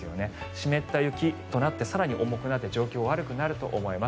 湿った雪となって更に重くなって状況が悪くなると思います。